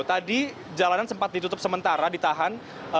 tadi jalanan sempat ditutup sementara ditahan